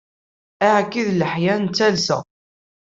Aɛekki d leḥya n talsa.